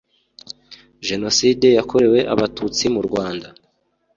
genoside yakorewe Abatutsi murwanda